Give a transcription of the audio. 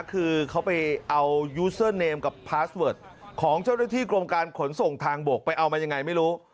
คือเขาไปเอายูเซอร์เนมกับพาสเวิร์ดของเจ้าหน้าที่กรมการขนส่งทางบกไปเอามายังไงไม่รู้